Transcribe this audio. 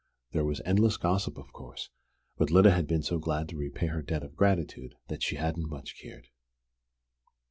There was endless gossip, of course, but Lyda had been so glad to repay her debt of gratitude that she hadn't much cared.